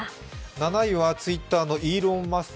７位はＴｗｉｔｔｅｒのイーロン・マスク